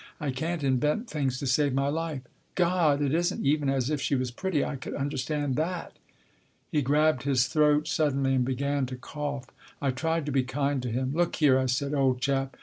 I can't invent things to save my life. " God ! It isn't even as if she was pretty. I could understand that.'' He grabbed his throat suddenly and began to cough. I tried to be kind to him. " Look here," I said, " old chap.